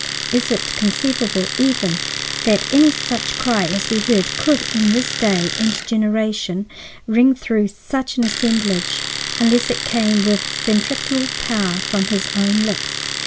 Is it conceivable even that any such cry as we heard could, in this day and generation, ring through such an assemblage, unless it came with ventriloquial power from his own lips?